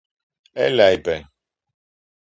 Έλα, είπε